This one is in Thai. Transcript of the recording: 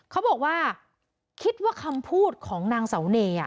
เขาบอกว่าคิดว่าคำพูดของนางเสาเนย